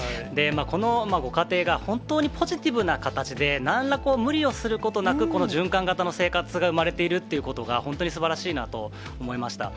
このご家庭が本当にポジティブな形で、なんら無理をすることなく、この循環型の生活が生まれているということが本当にすばらしいなと思いました。